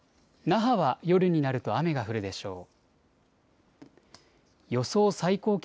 那覇は夜になると雨が降るでしょう。